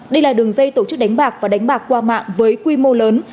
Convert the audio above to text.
đây là đường dây tổ chức đánh bạc và đánh bạc qua mạng với quy mô lớn